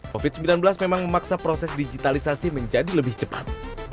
covid sembilan belas memang memaksa proses digitalisasi menjadi lebih cepat